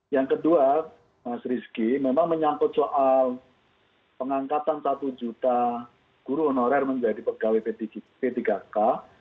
yang kedua mas rizky memang menyangkut soal pengangkatan satu juta guru honorer menjadi pegawai p tiga k